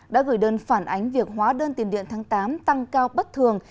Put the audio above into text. đã gửi đơn phản ánh việc hóa đơn tiền điện tháng tám tăng cao bất thường